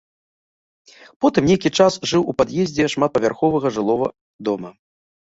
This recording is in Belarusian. Потым нейкі час жыў у пад'ездзе шматпавярховага жылога дома.